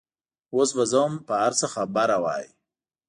اوس به زه هم په هر څه خبره وای.